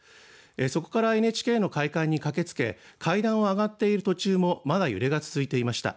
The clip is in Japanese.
そこからＮＨＫの会館に駆けつけ階段を上がっている途中もまだ揺れが続いていました。